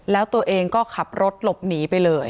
แล้วตัวเองก็ขับรถหลบหนีไปเลย